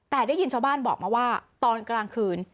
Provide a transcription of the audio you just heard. แต่ได้ยินชาวบ้านบอกมาว่าตอนกลางคืน